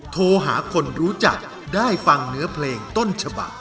โทรหาคนรู้จักได้ฟังเนื้อเพลงต้นฉบัก